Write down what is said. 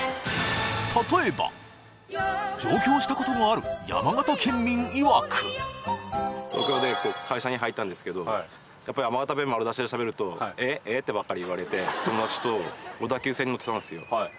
例えば、上京したことのある山形東京で会社に入ったんですけれども、やっぱり山形弁丸出しでしゃべると、え？え？ってばっかり言われて、友達と小田急線に乗ってたんですよ。